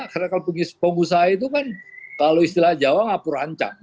karena kalau pengusaha itu kan kalau istilah jawa ngapur ancang